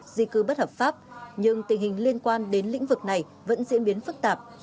di cư bất hợp pháp nhưng tình hình liên quan đến lĩnh vực này vẫn diễn biến phức tạp